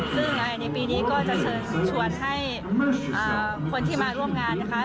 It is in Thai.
ซึ่งในปีนี้ก็จะเชิญชวนให้คนที่มาร่วมงานนะคะ